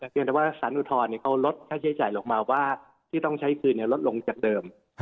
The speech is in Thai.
เพียงแต่ว่าสารอุทธรณ์เขาลดค่าใช้จ่ายออกมาว่าที่ต้องใช้คืนลดลงจากเดิม